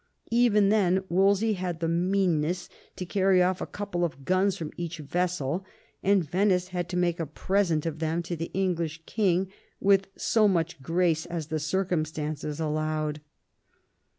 Even then Wolsey had the meanness to carry off a couple of guns from each vessel, and Venice had to make a present of them to the English king with as much grace as the circumstances allowed.